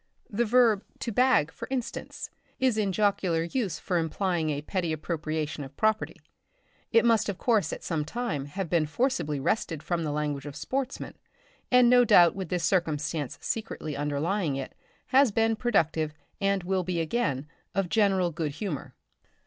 The verb "to bag," for instance, is in jocular use for implying a petty appropriation of property. It must of course at some time have been forcibly wrested from the language of sportsmen, and no doubt with this circumstance secretly underlying it, has been productive, and will be again, of general good humour.